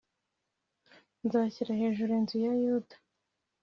nzashyira hejuru inzu ya yuda